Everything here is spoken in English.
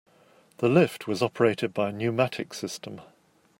The lift was operated by a pneumatic system.